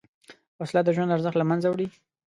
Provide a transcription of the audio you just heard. وسله د ژوند ارزښت له منځه وړي